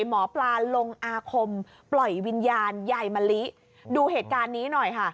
หมอปลาลงอาคมปล่อยวิญญาณยายมะลิดูเหตุการณ์นี้หน่อยค่ะ